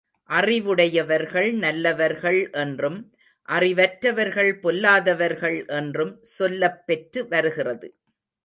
அறிவுடையவர்கள் நல்லவர்கள் என்றும், அறிவற்றவர்கள் பொல்லாதவர்கள் என்றும் சொல்லப்பெற்று வருகிறது.